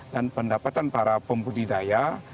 dan pendapatan para pembudidaya